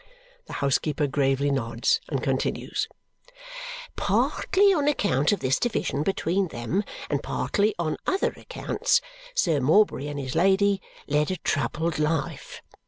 The housekeeper gravely nods and continues: "Partly on account of this division between them, and partly on other accounts, Sir Morbury and his Lady led a troubled life.